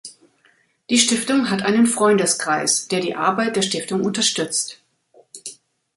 Die Stiftung hat einen Freundeskreis, der die Arbeit der Stiftung unterstützt.